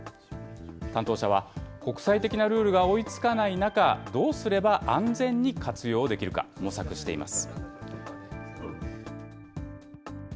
担当者は、国際的なルールが追いつかない中、どうすれば安全に活用できるか、模索しています。